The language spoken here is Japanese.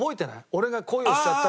俺が恋をしちゃった女性と。